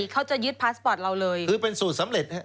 เขาจะยึดพาสปอร์ตเราเลย